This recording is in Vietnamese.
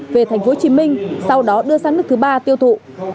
về tp hcm sau đó đưa sang nước thứ ba tiêu thụ